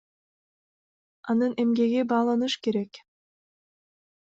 Анын эмгеги бааланышы керек.